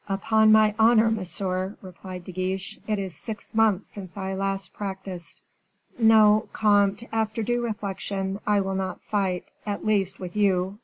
"Upon my honor, monsieur," replied De Guiche, "it is six months since I last practiced." "No, comte, after due reflection, I will not fight, at least, with you.